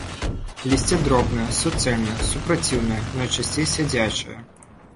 Лісце дробнае, суцэльнае, супраціўнае, найчасцей сядзячае.